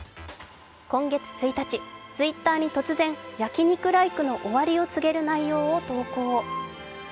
今月１日、Ｔｗｉｔｔｅｒに突然、焼肉ライクの終わりを告げる内容を投稿。